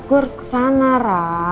gue harus kesana ra